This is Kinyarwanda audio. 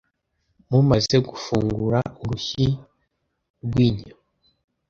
Mumaze gufungura urushyi rwinyo.